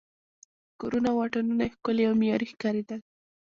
کورونه او واټونه یې ښکلي او معیاري ښکارېدل.